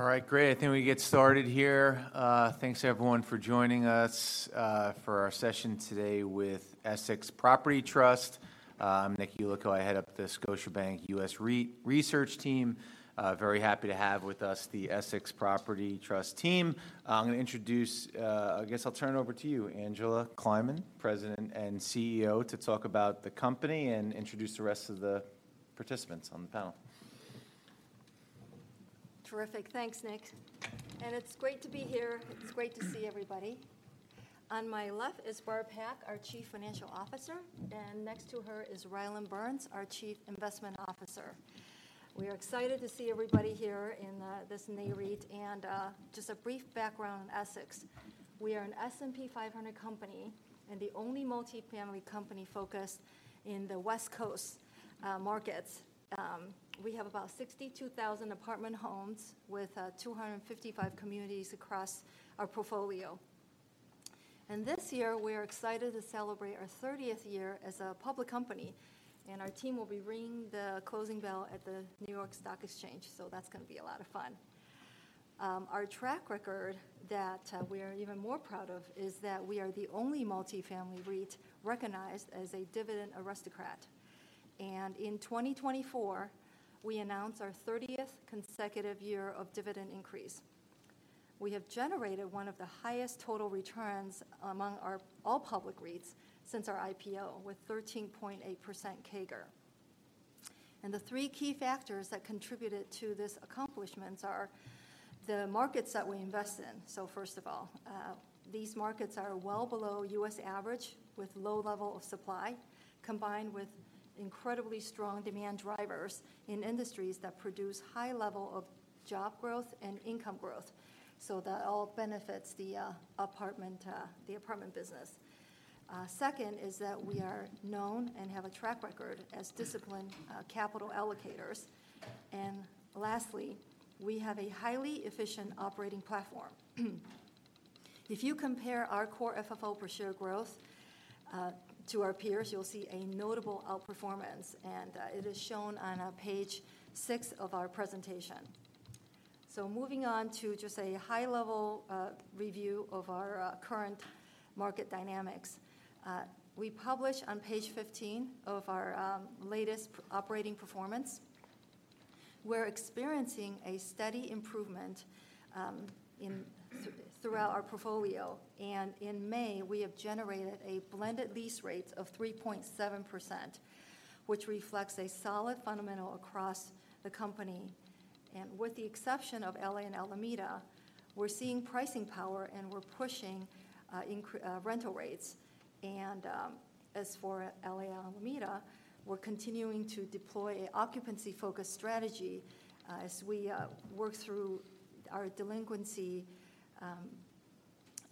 All right, great. We can get started here. Thanks, everyone, for joining us for our session today with Essex Property Trust. I'm Nick Yulico. I head up the Scotiabank U.S. REIT Research team. Very happy to have with us the Essex Property Trust team. I'm going to introduce. I'll turn it over to you, Angela Kleiman, President and CEO, to talk about the company and introduce the rest of the participants on the panel. Terrific. Thanks, Nick. It's great to be here. It's great to see everybody. On my left is Barb Pak, our Chief Financial Officer, and next to her is Rylan Burns, our Chief Investment Officer. We are excited to see everybody here in this neat crowd. Just a brief background on Essex: we are an S&P 500 company and the only multifamily company focused in the West Coast markets. We have about 62,000 apartment homes with 255 communities across our portfolio. This year, we are excited to celebrate our 30th year as a public company, and our team will be ringing the closing bell at the New York Stock Exchange, so that's going to be a lot of fun. Our track record that we are even more proud of is that we are the only multifamily REIT recognized as a Dividend Aristocrat. In 2024, we announced our 30th consecutive year of dividend increase. We have generated one of the highest total returns among all public REITs since our IPO, with 13.8% CAGR. The three key factors that contributed to this accomplishment are the markets that we invest in. First of all, these markets are well below U.S. average, with low levels of supply, combined with incredibly strong demand drivers in industries that produce high levels of job growth and income growth. That all benefits the apartment business. Second is that we are known and have a track record as disciplined capital allocators. Lastly, we have a highly efficient operating platform. If you compare our Core FFO per share growth to our peers, you'll see a notable outperformance, and it is shown on page 6 of our presentation. Moving on to just a high-level review of our current market dynamics, we publish on page 15 of our latest operating performance. We're experiencing a steady improvement throughout our portfolio, and in May, we have generated a blended lease rate of 3.7%, which reflects a solid fundamental across the company. With the exception of L.A. and Alameda, we're seeing pricing power, and we're pushing rental rates. As for L.A. and Alameda, we're continuing to deploy an occupancy-focused strategy as we work through our delinquency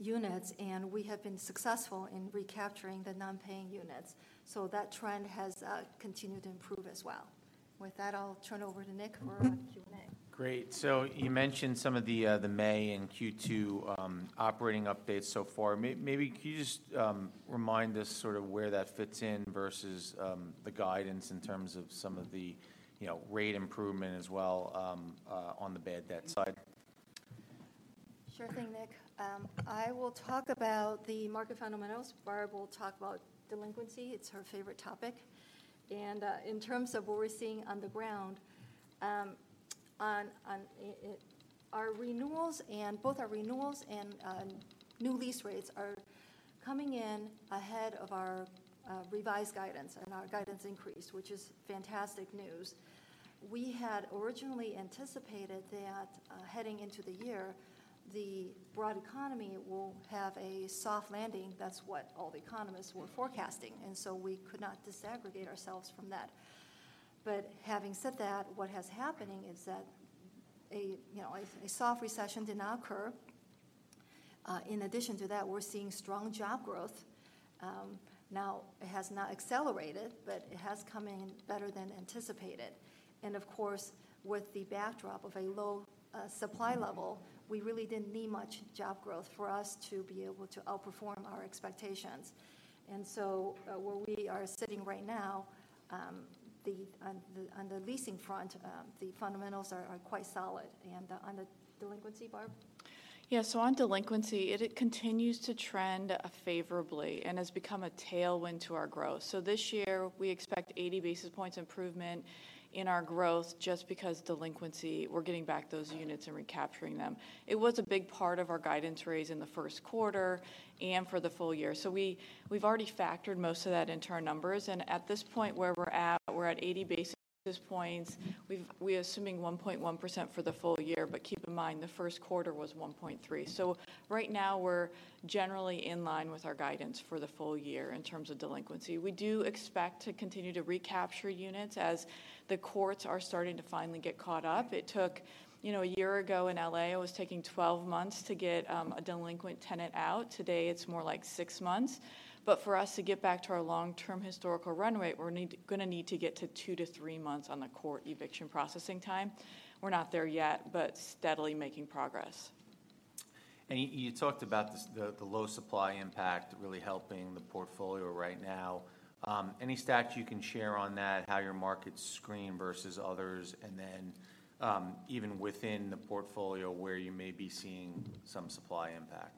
units, and we have been successful in recapturing the non-paying units. That trend has continued to improve as well. With that, I'll turn it over to Nick for a Q&A. Great. You mentioned some of the May and Q2 operating updates so far. Maybe could you just remind us sort of where that fits in versus the guidance in terms of some of the rate improvement as well on the bad debt side? Sure thing, Nick. I will talk about the market fundamentals. Barb will talk about delinquency. It's her favorite topic. In terms of what we're seeing on the ground, both our renewals and new lease rates, are coming in ahead of our revised guidance and our guidance increase, which is fantastic news. We had originally anticipated that heading into the year, the broad economy will have a soft landing. That's what all the economists were forecasting, and so we could not disaggregate ourselves from that. Having said that, what has happened is that a soft recession did not occur. In addition to that, we're seeing strong job growth. Now, it has not accelerated, but it has come in better than anticipated. Of course, with the backdrop of a low supply level, we really didn't need much job growth for us to be able to outperform our expectations. Where we are sitting right now, on the leasing front, the fundamentals are quite solid. On the delinquency, Barb? Yeah, so on delinquency, it continues to trend favorably and has become a tailwind to our growth. This year, we expect 80 basis points improvement in our growth just because delinquency—we're getting back those units and recapturing them. It was a big part of our guidance raise in the first quarter and for the full year. We've already factored most of that into our numbers. At this point where we're at, we're at 80 basis points. We're assuming 1.1% for the full year, but keep in mind the first quarter was 1.3%. Right now, we're generally in line with our guidance for the full year in terms of delinquency. We do expect to continue to recapture units as the courts are starting to finally get caught up. It took a year ago in L.A. It was taking 12 months to get a delinquent tenant out. Today, it's more like 6 months. For us to get back to our long-term historical run rate, we're going to need to get to 2 months-3 months on the court eviction processing time. We're not there yet, but steadily making progress. You talked about the low supply impact really helping the portfolio right now. Any stats you can share on that, how your markets screen versus others, and then even within the portfolio where you may be seeing some supply impact?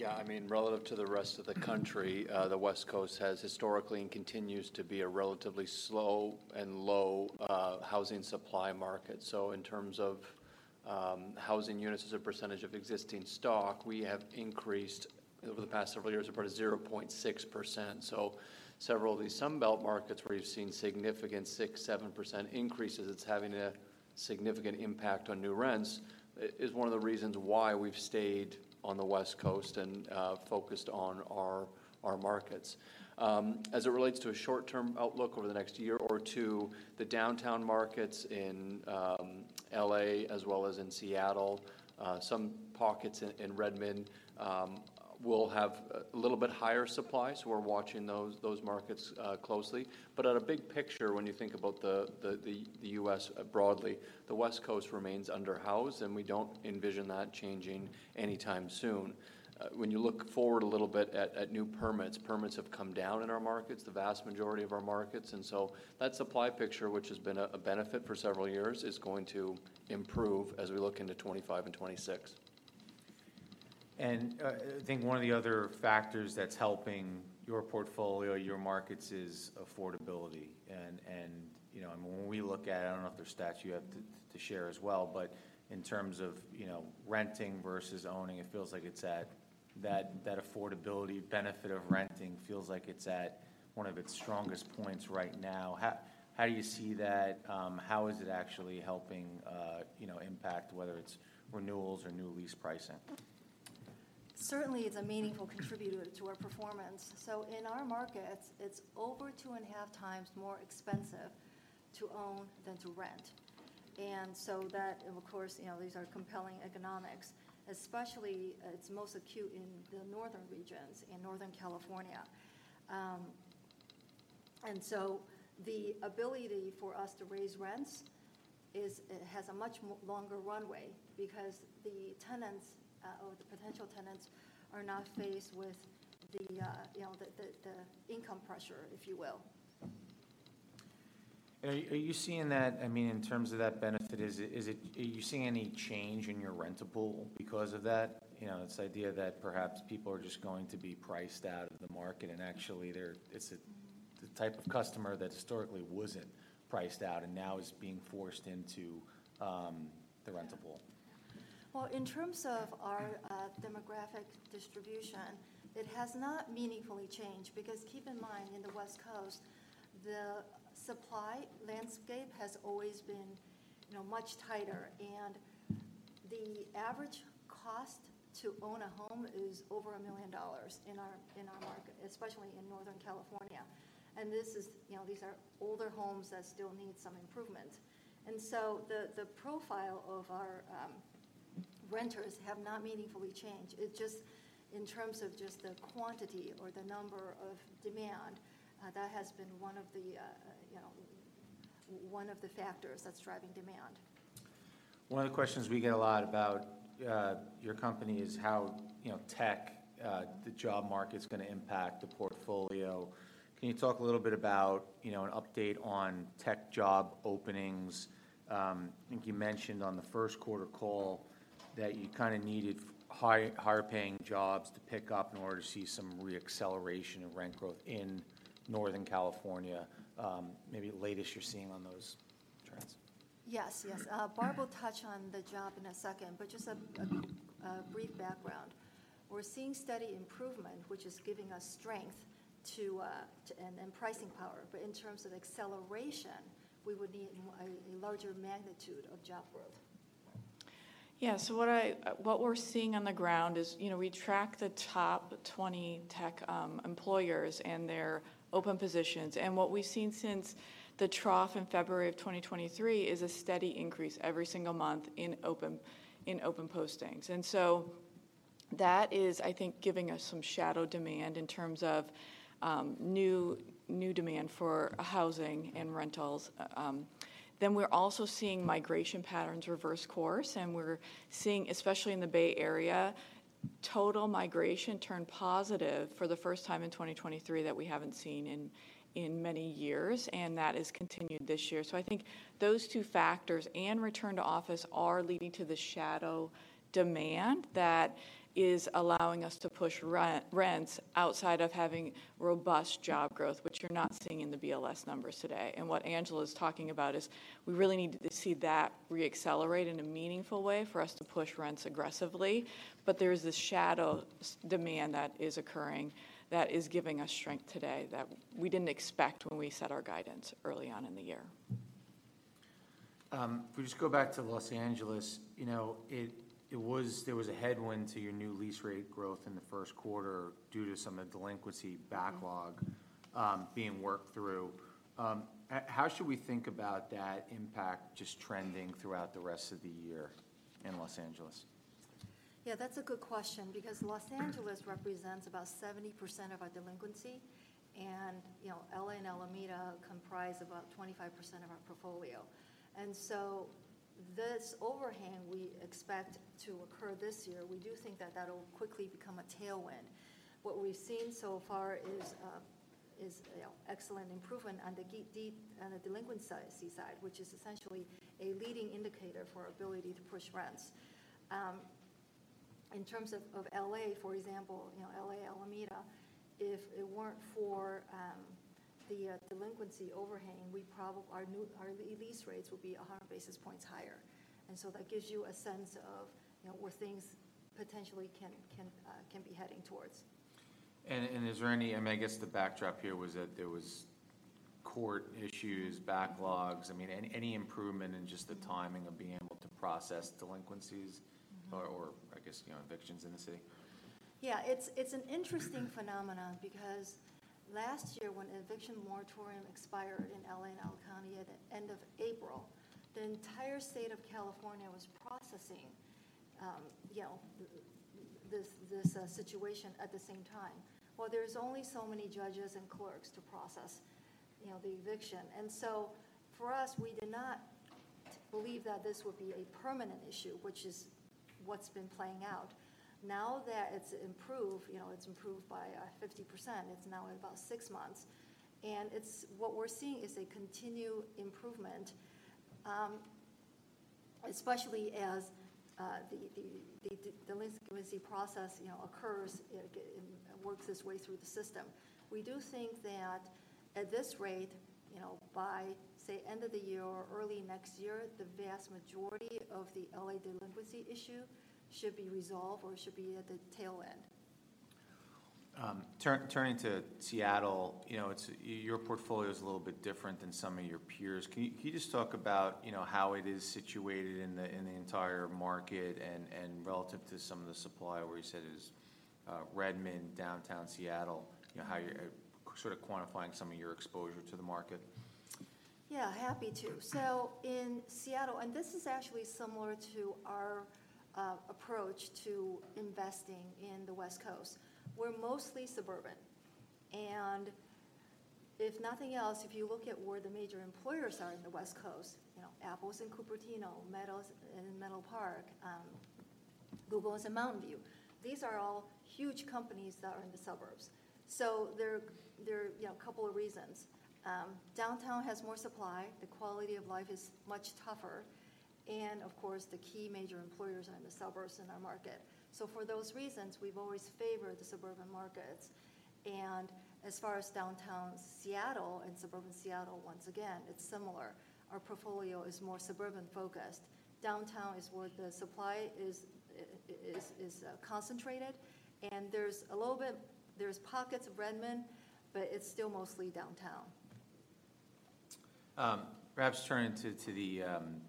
Yeah, relative to the rest of the country, the West Coast has historically and continues to be a relatively slow and low housing supply market. In terms of housing units as a percentage of existing stock, we have increased over the past several years to about 0.6%. Several of these Sunbelt markets where you've seen significant 6%, 7% increases, it's having a significant impact on new rents is one of the reasons why we've stayed on the West Coast and focused on our markets. As it relates to a short-term outlook over the next year or two, the downtown markets in L.A. as well as in Seattle, some pockets in Redmond will have a little bit higher supply. We're watching those markets closely. At a big picture, about the U.S. broadly, the West Coast remains underhoused, and we don't envision that changing anytime soon. When you look forward a little bit at new permits, permits have come down in our markets, the vast majority of our markets. That supply picture, which has been a benefit for several years, is going to improve as we look into 2025 and 2026. One of the other factors that's helping your portfolio, your markets, is affordability. When we look at it, I don't know if there's stats you have to share as well, but in terms of renting versus owning, it feels like it's at that affordability benefit of renting feels like it's at one of its strongest points right now. How do you see that? How is it actually helping impact, whether it's renewals or new lease pricing? Certainly, it's a meaningful contributor to our performance. In our markets, it's over 2.5x more expensive to own than to rent. That, of course, these are compelling economics. Especially, it's most acute in the northern regions, in Northern California. The ability for us to raise rents has a much longer runway because the tenants or the potential tenants are not faced with the income pressure, if you will. Are you seeing that, in terms of that benefit? Are you seeing any change in your rentable because of that, this idea that perhaps people are just going to be priced out of the market and actually it's the type of customer that historically wasn't priced out and now is being forced into the rentable? Well, in terms of our demographic distribution, it has not meaningfully changed because keep in mind, in the West Coast, the supply landscape has always been much tighter. The average cost to own a home is over $1 million in our market, especially in Northern California. These are older homes that still need some improvement. The profile of our renters has not meaningfully changed. It's just in terms of just the quantity or the number of demand, that has been one of the factors that's driving demand. One of the questions we get a lot about your company is how tech job market's going to impact the portfolio. Can you talk a little bit about an update on tech job openings? You mentioned on the first quarter call that you kind of needed higher-paying jobs to pick up in order to see some reacceleration of rent growth in Northern California. Maybe the latest you're seeing on those trends? Yes. Barb will touch on the job in a second, but just a brief background. We're seeing steady improvement, which is giving us strength and pricing power. In terms of acceleration, we would need a larger magnitude of job growth. Yeah, so what we're seeing on the ground is we track the top 20 tech employers and their open positions. What we've seen since the trough in February of 2023 is a steady increase every single month in open postings. Giving us some shadow demand in terms of new demand for housing and rentals. Then we're also seeing migration patterns reverse course, and we're seeing, especially in the Bay Area, total migration turn positive for the first time in 2023 that we haven't seen in many years, and that has continued this year. Those two factors and return to office are leading to the shadow demand that is allowing us to push rents outside of having robust job growth, which you're not seeing in the BLS numbers today. What Angela is talking about is we really need to see that reaccelerate in a meaningful way for us to push rents aggressively. There is this shadow demand that is occurring that is giving us strength today that we didn't expect when we set our guidance early on in the year. If we just go back to Los Angeles, there was a headwind to your new lease rate growth in the first quarter due to some of the delinquency backlog being worked through. How should we think about that impact just trending throughout the rest of the year in Los Angeles? Yeah, that's a good question because Los Angeles represents about 70% of our delinquency, and L.A. and Alameda comprise about 25% of our portfolio. This overhang we expect to occur this year, we do think that that'll quickly become a tailwind. What we've seen so far is excellent improvement on the delinquency side, which is essentially a leading indicator for our ability to push rents. In terms of L.A., for example, L.A., Alameda, if it weren't for the delinquency overhang, our lease rates would be 100 basis points higher. That gives you a sense of where things potentially can be heading towards. Is there any backdrop here was that there were court issues, backlogs. Any improvement in just the timing of being able to process delinquencies or, evictions in the city? Yeah, it's an interesting phenomenon because last year, when eviction moratorium expired in L.A. and Alameda at the end of April, the entire state of California was processing this situation at the same time. Well, there's only so many judges and clerks to process the eviction. For us, we did not believe that this would be a permanent issue, which is what's been playing out. Now that it's improved, it's improved by 50%. It's now at about six months. What we're seeing is a continued improvement, especially as the delinquency process occurs and works its way through the system. We do think that at this rate, by, say, end of the year or early next year, the vast majority of the L.A. delinquency issue should be resolved or should be at the tail end. Turning to Seattle, your portfolio is a little bit different than some of your peers. Can you just talk about how it is situated in the entire market and relative to some of the supply where you said it is Redmond, downtown Seattle, how you're sort of quantifying some of your exposure to the market? Yeah, happy to. In Seattle, and this is actually similar to our approach to investing in the West Coast. We're mostly suburban. If nothing else, if you look at where the major employers are in the West Coast, Apple's in Cupertino, Meta's in Menlo Park, Google's in Mountain View. These are all huge companies that are in the suburbs. There are a couple of reasons. Downtown has more supply. The quality of life is much tougher. Of course, the key major employers are in the suburbs in our market. For those reasons, we've always favored the suburban markets. As far as downtown Seattle and suburban Seattle, once again, it's similar. Our portfolio is more suburban-focused. Downtown is where the supply is concentrated. There's a little bit, there's pockets of Redmond, but it's still mostly downtown. Perhaps turn into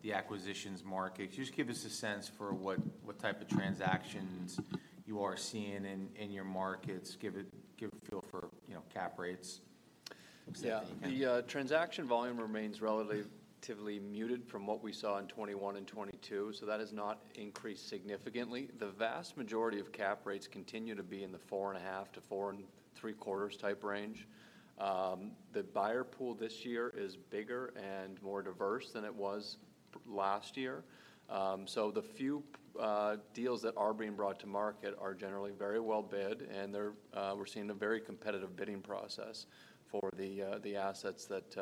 the acquisitions market. Can you just give us a sense for what type of transactions you are seeing in your markets? Give a feel for cap rates. Yeah, the transaction volume remains relatively muted from what we saw in 2021 and 2022, so that has not increased significantly. The vast majority of cap rates continue to be in the 4.5-4.75 type range. The buyer pool this year is bigger and more diverse than it was last year. The few deals that are being brought to market are generally very well bid, and we're seeing a very competitive bidding process for the assets that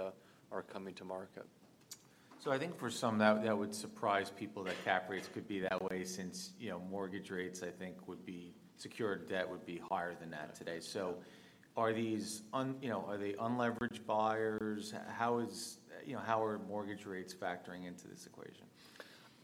are coming to market. Tthat would surprise people that cap rates could be that way since mortgage rates, would be secured debt would be higher than that today. Are they unleveraged buyers? How are mortgage rates factoring into this equation?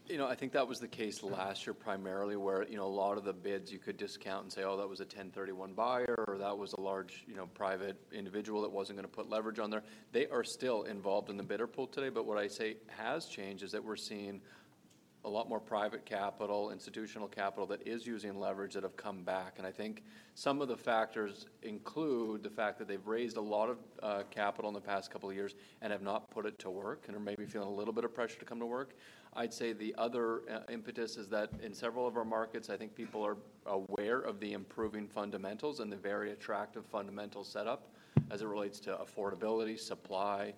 Tthat was the case last year primarily where a lot of the bids you could discount and say, "Oh, that was a 1031 buyer," or, "That was a large private individual that wasn't going to put leverage on there." They are still involved in the bidder pool today. What I say has changed is that we're seeing a lot more private capital, institutional capital that is using leverage that have come back. Some of the factors include the fact that they've raised a lot of capital in the past couple of years and have not put it to work and are maybe feeling a little bit of pressure to come to work. I'd say the other impetus is that in several of our markets, people are aware of the improving fundamentals and the very attractive fundamental setup as it relates to affordability, supply,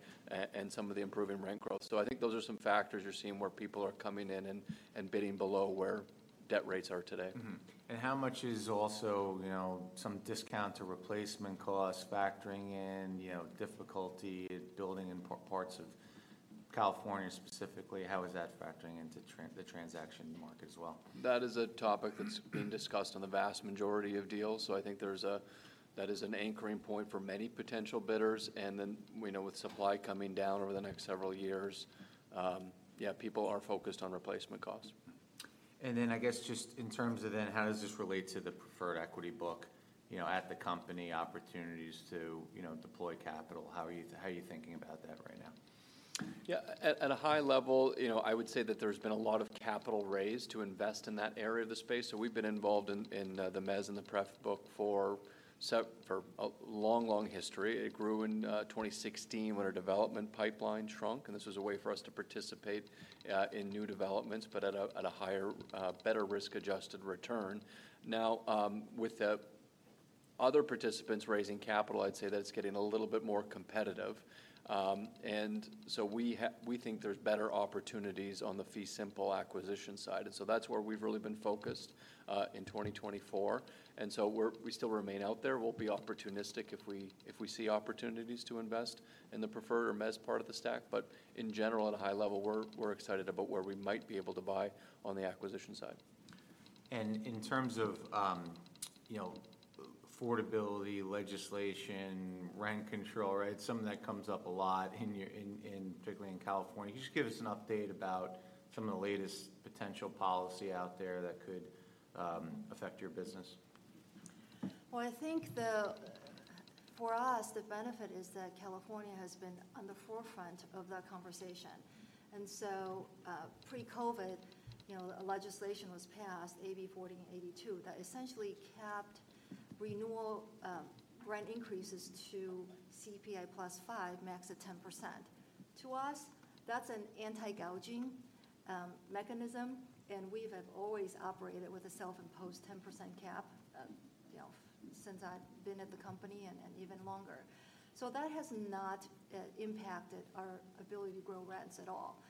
and some of the improving rent growth. Those are some factors you're seeing where people are coming in and bidding below where debt rates are today. How much is also some discount to replacement costs factoring in difficulty building in parts of California specifically? How is that factoring into the transaction market as well? That is a topic that's being discussed on the vast majority of deals. That is an anchoring point for many potential bidders. Then with supply coming down over the next several years, yeah, people are focused on replacement costs. Just in terms of then how does this relate to the preferred equity book at the company, opportunities to deploy capital? How are you thinking about that right now? Yeah, at a high level, I would say that there's been a lot of capital raised to invest in that area of the space. We've been involved in the mezz and the pref book for a long, long history. It grew in 2016 when our development pipeline shrunk, and this was a way for us to participate in new developments, but at a better risk-adjusted return. Now, with the other participants raising capital, I'd say that it's getting a little bit more competitive. We think there's better opportunities on the fee simple acquisition side. That's where we've really been focused in 2024. We still remain out there. We'll be opportunistic if we see opportunities to invest in the preferred or mezz part of the stack. In general, at a high level, we're excited about where we might be able to buy on the acquisition side. In terms of affordability, legislation, rent control, right, some of that comes up a lot, particularly in California. Can you just give us an update about some of the latest potential policy out there that could affect your business? Well, the benefit is that California has been on the forefront of that conversation. Pre-COVID, legislation was passed, AB 1482, that essentially capped renewal rent increases to CPI +5% max at 10%. To us, that's an anti-gouging mechanism, and we have always operated with a self-imposed 10% cap since I've been at the company and even longer. That has not impacted our ability to grow rents at all.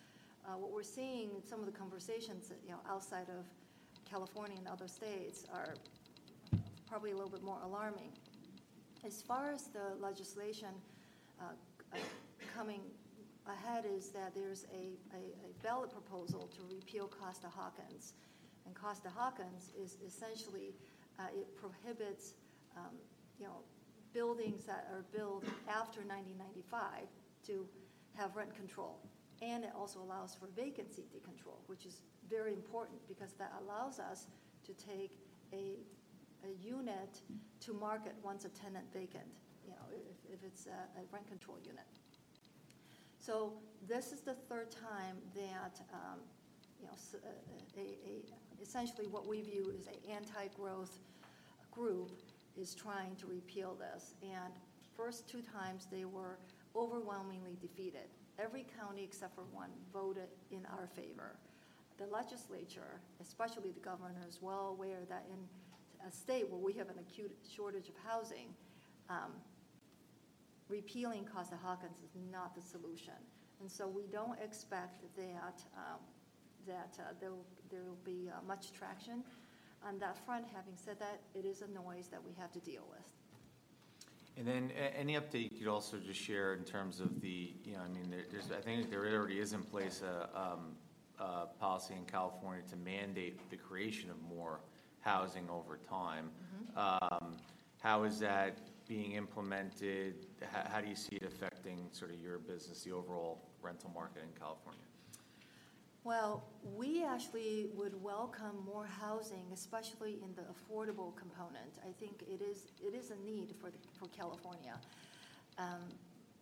What we're seeing, some of the conversations outside of California and other states are probably a little bit more alarming. As far as the legislation coming ahead is that there's a ballot proposal to repeal Costa-Hawkins. And Costa-Hawkins is essentially it prohibits buildings that are built after 1995 to have rent control. It also allows for vacancy control, which is very important because that allows us to take a unit to market once a tenant vacates if it's a rent control unit. This is the third time that essentially what we view as an anti-growth group is trying to repeal this. First 2x, they were overwhelmingly defeated. Every county except for one voted in our favor. The legislature, especially the governor, is well aware that in a state where we have an acute shortage of housing, repealing Costa-Hawkins is not the solution. We don't expect that there will be much traction on that front. Having said that, it is a noise that we have to deal with. Any update you'd also just share in terms of the, there already is in place a policy in California to mandate the creation of more housing over time. How is that being implemented? How do you see it affecting sort of your business, the overall rental market in California? Well, we actually would welcome more housing, especially in the affordable component. It is a need for California.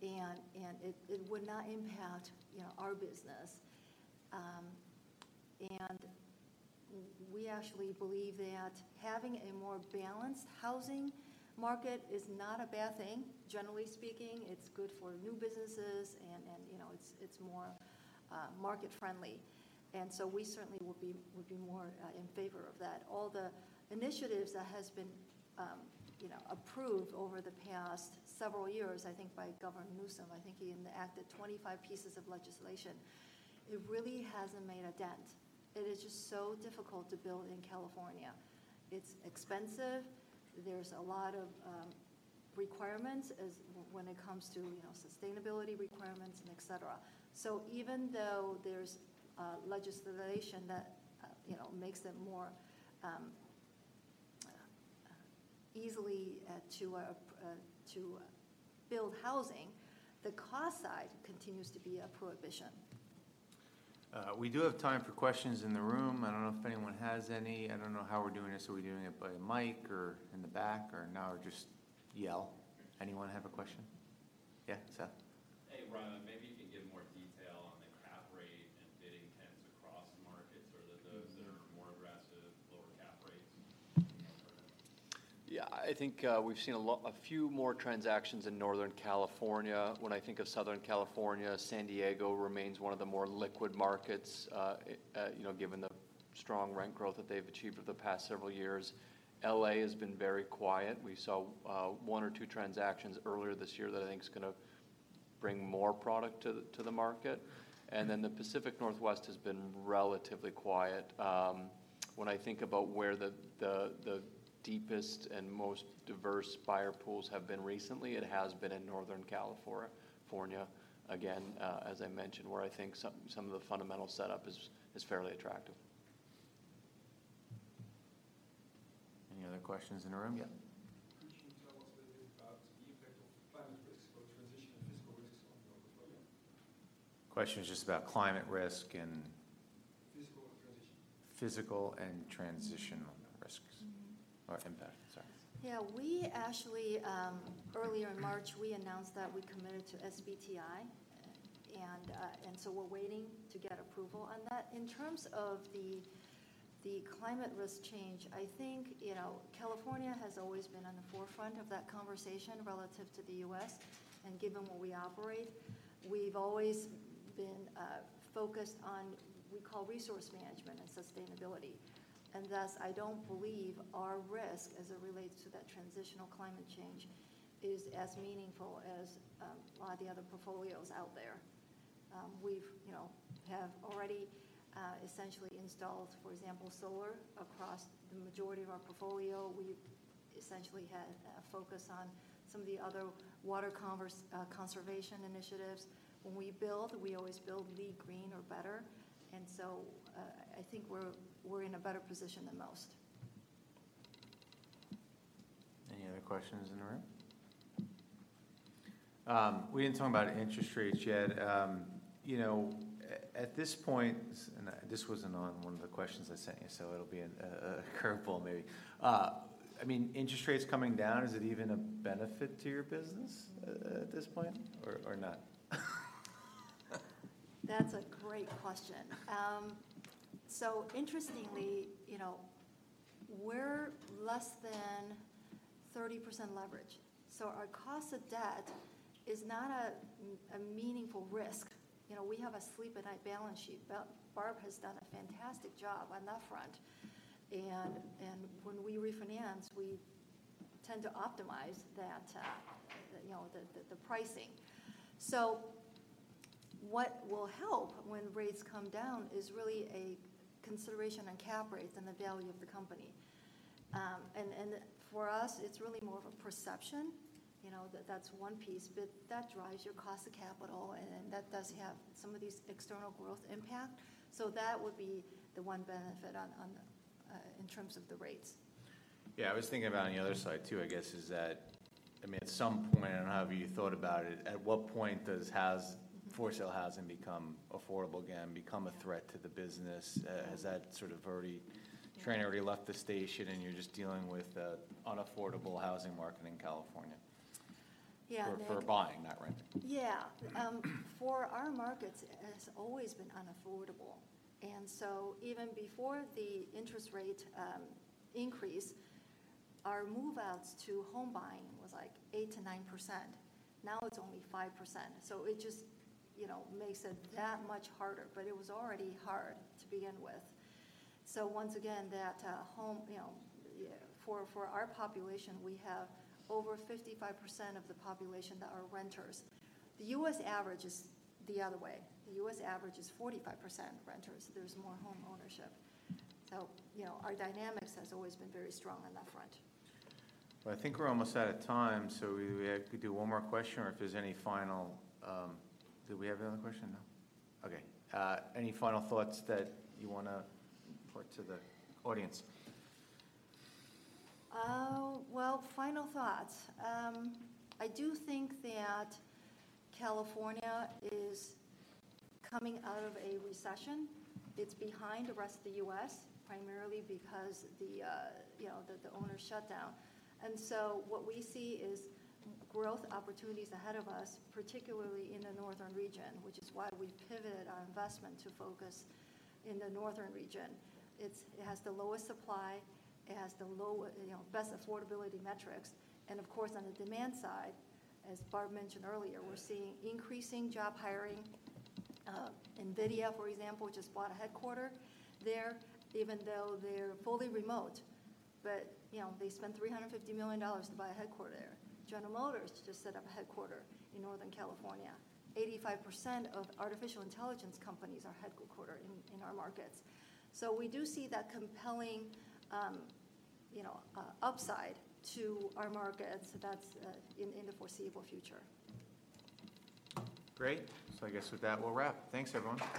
It would not impact our business. We actually believe that having a more balanced housing market is not a bad thing. Generally speaking, it's good for new businesses, and it's more market-friendly. We certainly would be more in favor of that. All the initiatives that have been approved over the past several years, by Governor Newsom, he enacted 25 pieces of legislation, it really hasn't made a dent. It is just so difficult to build in California. It's expensive. There's a lot of requirements when it comes to sustainability requirements, etc. Even though there's legislation that makes it more easy to build housing, the cost side continues to be a prohibition. We do have time for questions in the room. I don't know if anyone has any. I don't know how we're doing this. Are we doing it by mic or in the back or now just yell? Anyone have a question? Yeah, Seth. Hey, Rylan, maybe you can give more detail on the cap rate and bidding trends across markets or those that are more aggressive, lower cap rates? Yeah, we've seen a few more transactions in Northern California. When I think of Southern California, San Diego remains one of the more liquid markets given the strong rent growth that they've achieved over the past several years. L.A. has been very quiet. We saw one or two transactions earlier this year that is going to bring more product to the market. The Pacific Northwest has been relatively quiet. When I think about where the deepest and most diverse buyer pools have been recently, it has been in Northern California. California, again, as I mentioned, where some of the fundamental setup is fairly attractive. Any other questions in the room? Yeah. Question is just about climate risks or transition and fiscal risks on your portfolio? Question is just about climate risk and? Physical and transition? Physical and transition risks or impact, sorry. Yeah, we actually, earlier in March, we announced that we committed to SBTi. We're waiting to get approval on that. In terms of the climate risk change, California has always been on the forefront of that conversation relative to the U.S. Given where we operate, we've always been focused on what we call resource management and sustainability. I don't believe our risk as it relates to that transitional climate change is as meaningful as a lot of the other portfolios out there. We have already essentially installed, for example, solar across the majority of our portfolio. We've essentially had a focus on some of the other water conservation initiatives. When we build, we always build LEED or better. We're in a better position than most. Any other questions in the room? We didn't talk about interest rates yet. At this point, and this wasn't on one of the questions I sent you, so it'll be a curveball maybe. Interest rates coming down, is it even a benefit to your business at this point or not? That's a great question. Interestingly, we're less than 30% leverage. Our cost of debt is not a meaningful risk. We have a sleep at night balance sheet. Barb has done a fantastic job on that front. When we refinance, we tend to optimize the pricing. What will help when rates come down is really a consideration on cap rates and the value of the company. For us, it's really more of a perception. That's one piece. That drives your cost of capital, and that does have some of these external growth impact. That would be the one benefit in terms of the rates. Yeah, I was thinking about on the other side too, at some point, I don't know how you thought about it, at what point does for-sale housing become affordable again, become a threat to the business? Has that sort of train already left the station and you're just dealing with an unaffordable housing market in California for buying or rent? Yeah. For our markets, it has always been unaffordable. Even before the interest rate increase, our move-outs to home buying was like 8%-9%. Now it's only 5%. It just makes it that much harder. It was already hard to begin with. Once again, for our population, we have over 55% of the population that are renters. The U.S. average is the other way. The U.S. average is 45% renters. There's more homeownership. Our dynamics has always been very strong on that front. Well, we're almost out of time. We do one more question or if there's any final, did we have another question? No? Okay. Any final thoughts that you want to report to the audience? Well, final thoughts. I do think that California is coming out of a recession. It's behind the rest of the U.S. primarily because of the onerous shutdown. What we see is growth opportunities ahead of us, particularly in the northern region, which is why we've pivoted our investment to focus in the northern region. It has the lowest supply. It has the best affordability metrics. Of course, on the demand side, as Barb mentioned earlier, we're seeing increasing job hiring. NVIDIA, for example, just bought a headquarters there, even though they're fully remote. They spent $350 million to buy a headquarters there. General Motors just set up a headquarters in Northern California. 85% of artificial intelligence companies are headquartered in our markets. We do see that compelling upside to our markets that's in the foreseeable future. Great. With that, we'll wrap. Thanks, everyone.